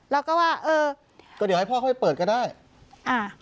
แล้วก็ว่าเออก็เดี๋ยวให้พ่อเขาให้เปิดก็ได้อ่า